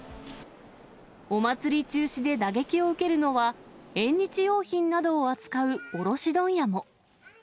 お祭り中止で打撃を受けるのは、縁日用品などを扱う卸問屋も。